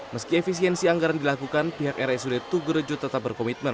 meski efisiensi anggaran dilakukan pihak rsud tugurejo tetap berkomitmen